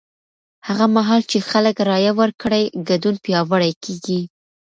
هغه مهال چې خلک رایه ورکړي، ګډون پیاوړی کېږي.